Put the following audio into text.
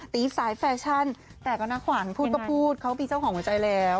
ตีสายแฟชั่นแต่ก็นะขวัญพูดก็พูดเขามีเจ้าของหัวใจแล้ว